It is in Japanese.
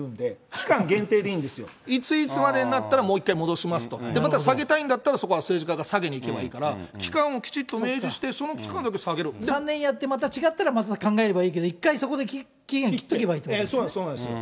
期間限定でいいんですよ、いついつまでになったらもう１回戻しますと、下げたいんだったら、また政治家が下げにいけばいいんだから、期間をきちっと明示して、３年やってまた違ったらまた考えればいいけど、一回そこで期限きっとけばいいってことですね。